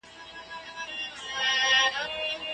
تعليم د ټولني ارزښتونه لېږدوي ؛خو تدريس معلومات وړاندي کوي.